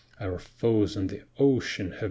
Our foes on the ocean, etc.